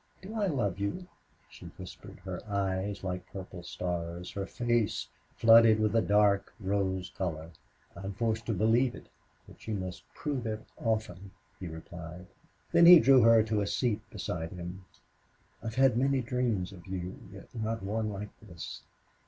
Do I love you?" she whispered, her eyes like purple stars, her face flooded with a dark rose color. "I'm forced to believe it, but you must prove it often," he replied. Then he drew her to a seat beside him. "I've had many dreams of you, yet not one like this....